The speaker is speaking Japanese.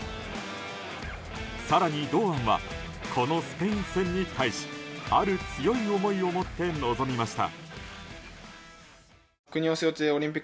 更に堂安はこのスペイン戦に対しある強い思いを持って臨みました。